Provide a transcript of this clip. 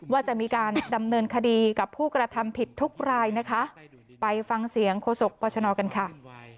ว่าจะมีการดำเนินคดีกับผู้กระทำผิดทุกรายนะคะไปฟังเสียงโฆษกปชนกันค่ะ